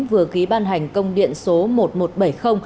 vừa ký ban hành công điện số một nghìn một trăm bảy mươi